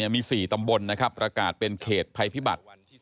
มี๔ตำบลนะครับประกาศเป็นเขตภัยพิบัติ